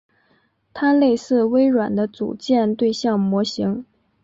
它类似微软的组件对象模型。